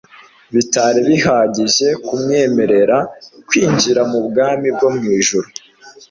bitari bihagije kumwemerera kwinjira mu bwami bwo mu ijuru.